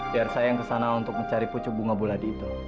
biar saya yang kesana untuk mencari pucuk bunga buladi itu